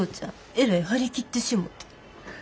えらい張り切ってしもて。